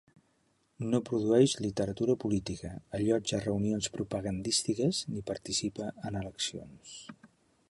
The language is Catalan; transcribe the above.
No produeix literatura política, allotja reunions propagandístiques ni participa en eleccions.